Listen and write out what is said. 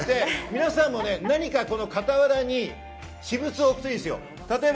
皆さんも何か傍らに私物を置くといいですよ。